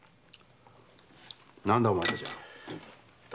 何だお前たちは。